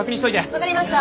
分かりました。